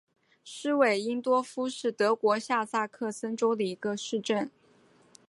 施韦因多夫是德国下萨克森州的一个市镇。